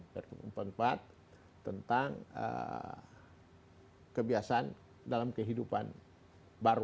pr group empat tentang kebiasaan dalam kehidupan baru